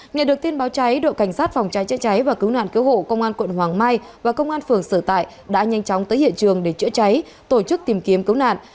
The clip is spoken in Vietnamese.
nghe được tin báo cháy đội cảnh sát phòng cháy chữa cháy và cứu nạn cứu hộ công an quận hoàng mai và công an phường sở tại đã nhanh chóng tới hiện trường để chữa cháy tổ chức tìm kiếm cứu nạn